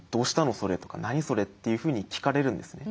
それ」とか「何？それ」っていうふうに聞かれるんですね。